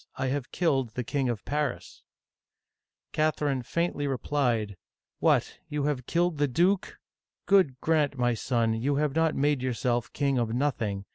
I have killed the King of Paris !'* Catherine faintly replied :" What, you have, killed the duke! God granf, my son, you have not made yourself king of nothing.